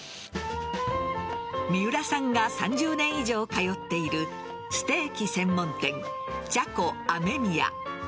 三浦さんが３０年以上通っているステーキ専門店ＣＨＡＣＯあめみや。